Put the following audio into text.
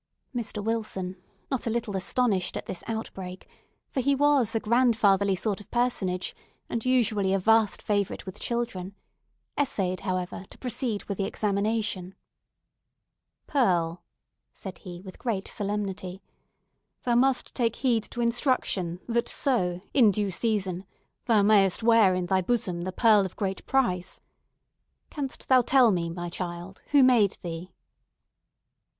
Mr. Wilson, not a little astonished at this outbreak—for he was a grandfatherly sort of personage, and usually a vast favourite with children—essayed, however, to proceed with the examination. "Pearl," said he, with great solemnity, "thou must take heed to instruction, that so, in due season, thou mayest wear in thy bosom the pearl of great price. Canst thou tell me, my child, who made thee?"